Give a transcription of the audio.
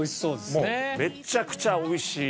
もうめっちゃくちゃおいしい。